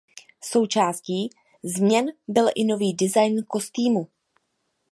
Součástí změn byl i nový design kostýmu.